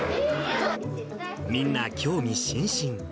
みんな興味津々。